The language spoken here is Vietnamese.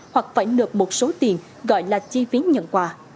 hoặc phải nợp một số tiền gọi là chi phí nhận quà